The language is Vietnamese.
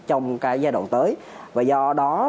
trong cái giai đoạn tới và do đó